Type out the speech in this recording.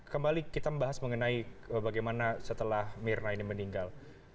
kembali kita membahas mengenai bagaimana setelah mirna ini meninggal